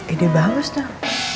ide bagus tuh